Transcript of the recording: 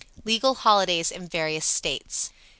LEGAL HOLIDAYS IN VARIOUS STATES.